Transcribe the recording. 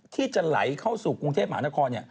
ที่จะไหลเข้าสู่กรุงเทพมหานคร